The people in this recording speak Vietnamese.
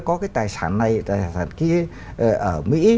có cái tài sản này tài sản kia ở mỹ